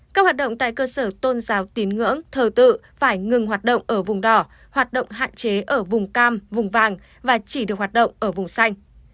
các hoạt động tại cơ sở tôn giáo tín ngưỡng thờ tự phải ngừng hoạt động ở vùng đỏ hoạt động hạn chế ở vùng cam vùng vàng và chỉ được hoạt động ở vùng xanh